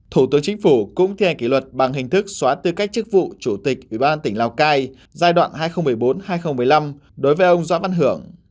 thủ tướng chính phủ cũng thi hành kỷ luật bằng hình thức xóa tư cách chức vụ chủ tịch ủy ban tỉnh lào cai giai đoạn hai nghìn một mươi bốn hai nghìn một mươi năm đối với ông doãn hưởng